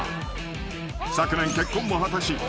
［昨年結婚も果たし